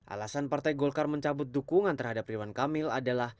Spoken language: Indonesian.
alasan partai golkar mencabut dukungan terhadap ridwan kamil adalah